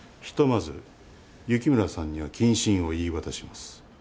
ひとまず雪村さんには謹慎を言い渡します。